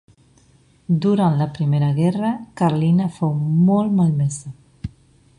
Durant la primera guerra carlina fou molt malmesa.